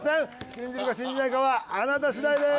信じるか信じないかはあなた次第です。